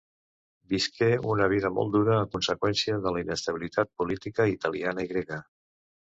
Visqué una vida molt dura a conseqüència de la inestabilitat política italiana i grega.